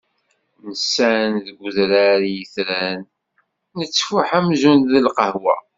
Nsan deg udrar i yetran, tettfuḥ amzun d lqahwa.